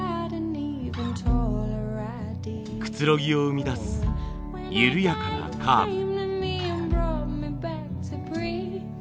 くつろぎを生み出す緩やかなカーブ。